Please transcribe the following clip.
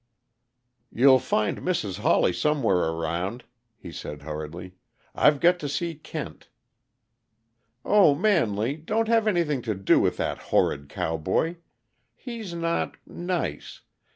"You'll find Mrs. Hawley somewhere around," he said hurriedly. "I've got to see Kent " "Oh, Manley! Don't have anything to do with that horrid cowboy! He's not nice.